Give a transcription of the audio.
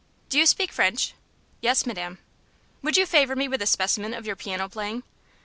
"Do you speak French?" "Yes, madam." "Would you favor me with a specimen of your piano playing?"